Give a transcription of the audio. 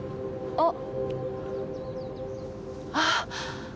あっ。